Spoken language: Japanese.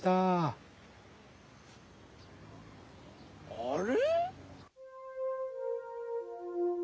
あれ？